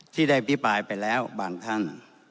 ที่ได้พิปรายไปแล้วบางท่าน